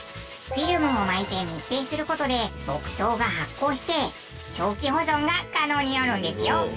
フィルムを巻いて密閉する事で牧草が発酵して長期保存が可能になるんですよ。